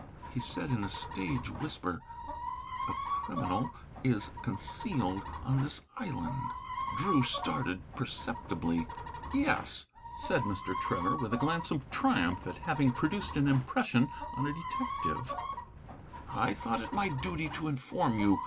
He said in a stage whisper: "A criminal is concealed on this island." Drew started perceptibly. "Yes," said Mr. Trevor, with a glance of triumph at having produced an impression on a detective, "I thought it my duty to inform you.